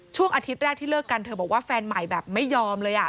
ช่วงอาทิตย์แรกที่เลิกกันเธอบอกว่าแฟนใหม่แบบไม่ยอมเลย